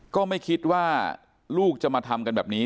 ก็ไม่คิดว่าลูกจะมาทำกันแบบนี้